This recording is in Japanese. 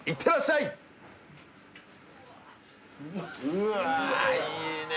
うわいいね